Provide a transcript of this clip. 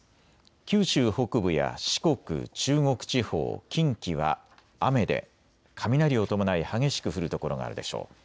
九州北部や四国、中国地方、近畿は雨で雷を伴い激しく降る所があるでしょう。